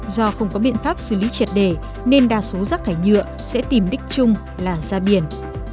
do không có biện pháp xử lý triệt đề nên đa số rác thải nhựa sẽ tìm đích chung là ra biển